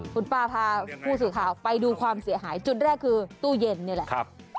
คุณป้าพาผู้สื่อข่าวไปดูความเสียหายจุดแรกคือตู้เย็นนี่แหละ